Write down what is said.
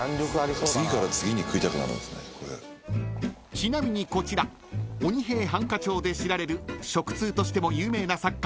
［ちなみにこちら『鬼平犯科帳』で知られる食通としても有名な作家